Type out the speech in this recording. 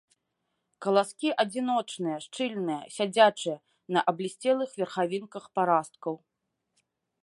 Каласкі адзіночныя, шчыльныя, сядзячыя, на аблісцелых верхавінках парасткаў.